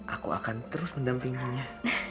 aku akan terus mendampinginya